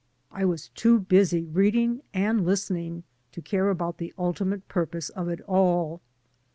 I was too busy reading and listening to care about the ultimate purpose of it all.